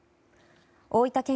大分県